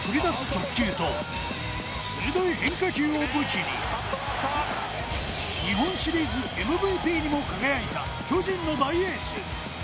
直球と鋭い変化球を武器に日本シリーズＭＶＰにも輝いた巨人の大エース。